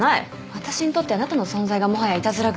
私にとってあなたの存在がもはやいたずらグッズです。